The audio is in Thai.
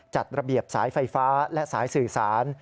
จัดระเบียบสายไฟฟ้าและสายสื่อสาร